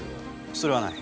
それはない。